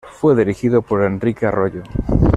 Fue dirigido por Enrique Arroyo.